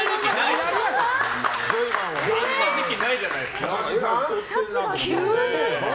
あんな時期ないじゃないですか。